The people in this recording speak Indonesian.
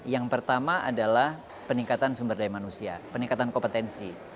yang pertama adalah peningkatan sumber daya manusia peningkatan kompetensi